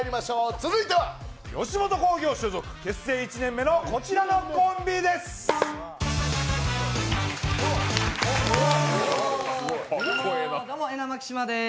続いては吉本興業所属、結成１年目のこちらのコンビです。